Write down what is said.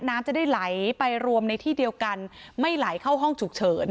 น้ำจะได้ไหลไปรวมในที่เดียวกันไม่ไหลเข้าห้องฉุกเฉิน